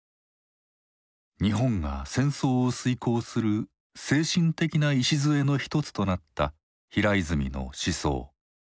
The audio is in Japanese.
日本が戦争を遂行する精神的な礎の一つとなった平泉の思想。